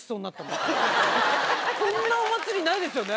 こんなお祭りないですよね。